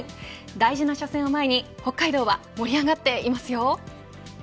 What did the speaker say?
大事な初戦を前に北海道は盛り上がっていますよ。